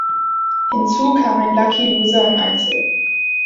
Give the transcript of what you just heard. Hinzu kam ein Lucky Loser im Einzel.